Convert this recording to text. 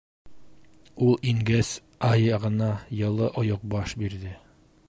Ул ингәс, аяғына йылы ойоҡбаш бирҙе: